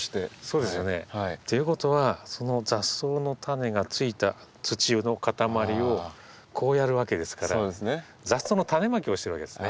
そうですよね。ということはその雑草のタネが付いた土の塊をこうやるわけですから雑草のタネまきをしてるわけですね。